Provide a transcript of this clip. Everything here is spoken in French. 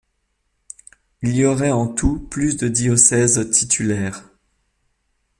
Il y aurait en tout plus de diocèses titulaires.